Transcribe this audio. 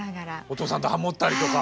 お父さんとハモったりとか。